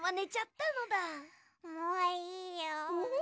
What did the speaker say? もういいよ。